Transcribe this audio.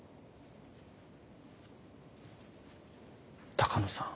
鷹野さん